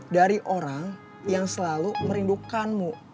dari orang yang selalu merindukanmu